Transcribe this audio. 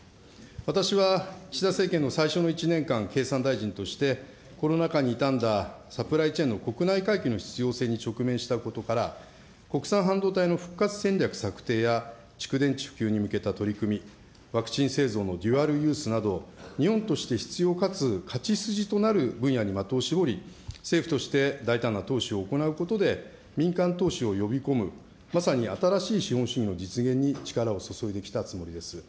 私は岸田政権の最初の１年間、経産大臣として、コロナ禍にいたんだサプライチェーンの国内回帰の必要性に直面したことから、国産半導体の復活策定や蓄電池普及に向けた取り組み、ワクチン製造のデュアルユースなど、日本にとって勝ち筋となる分野に的を絞り、政府として大胆な投資を行うことで民間投資を呼び込むまさに新しい資本主義の実現に力を注いできたつもりです。